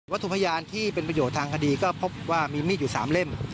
ถูกพยานที่เป็นประโยชน์ทางคดีก็พบว่ามีมีดอยู่๓เล่ม